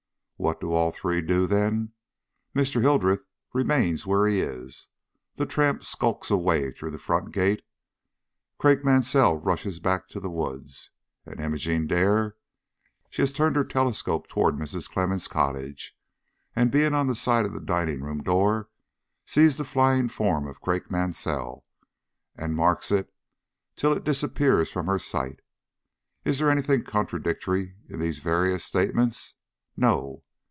What do all three do, then? Mr. Hildreth remains where he is; the tramp skulks away through the front gate; Craik Mansell rushes back to the woods. And Imogene Dare? She has turned her telescope toward Mrs. Clemmens' cottage, and, being on the side of the dining room door, sees the flying form of Craik Mansell, and marks it till it disappears from her sight. Is there any thing contradictory in these various statements? No.